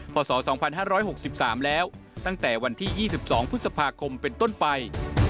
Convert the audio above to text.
ศ๒๕๖๓แล้วตั้งแต่วันที่๒๒พฤษภาคมเป็นต้นไป